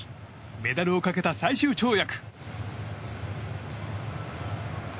メダルをかけた最終跳躍。